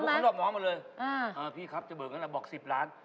เขานอบน้อมไหมเออพี่ครับจะเบิกกันแล้วบอก๑๐ล้าน